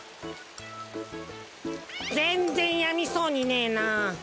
ぜんぜんやみそうにねえなあ。